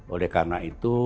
oleh karena itu